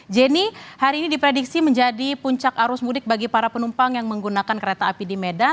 jenny hari ini diprediksi menjadi puncak arus mudik bagi para penumpang yang menggunakan kereta api di medan